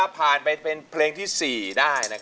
ผ่านไปเป็นเพลงที่๔ได้